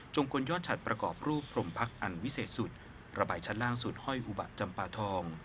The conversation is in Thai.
กลยอดฉัดประกอบรูปพรมพักอันวิเศษสุดระบายชั้นล่างสุดห้อยหุบะจำปาทอง